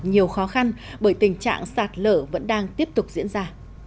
nhiều khó khăn bởi tình trạng sạt lở vẫn đang tiếp tục diễn ra